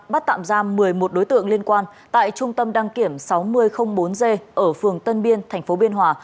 bắt tạm giam một mươi một đối tượng liên quan tại trung tâm đăng kiểm sáu nghìn bốn g ở phường tân biên tp biên hòa